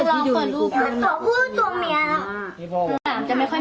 สวยมากเลยสีสวยมากเลย